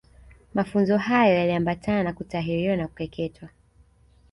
Mafunzo hayo yaliambatana na kutahiriwa au kukeketwa